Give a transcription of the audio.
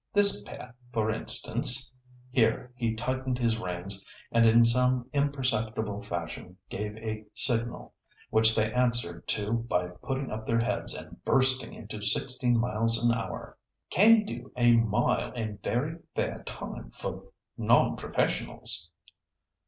This pair, for instance"—(here he tightened his reins, and in some imperceptible fashion gave a signal, which they answered to by putting up their heads and bursting into sixteen miles an hour)—"can do a mile in very fair time for non professionals."